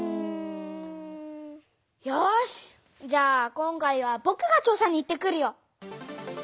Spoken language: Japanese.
よしじゃあ今回はぼくが調さに行ってくるよ！